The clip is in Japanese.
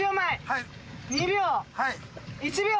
はい。